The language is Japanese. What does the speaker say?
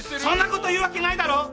そんなこと言うわけないだろ。